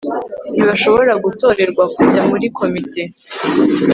ntibashobora gutorerwa kujya muri komite